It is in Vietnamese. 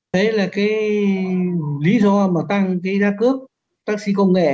thế là cái lý do mà tăng cái giá cướp taxi công nghệ